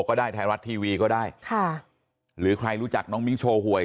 ก็ได้ไทยรัฐทีวีก็ได้ค่ะหรือใครรู้จักน้องมิ้งโชว์หวย